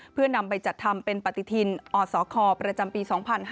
เพื่อนำไปจัดทำเป็นปฏิทินอสคประจำปี๒๕๕๙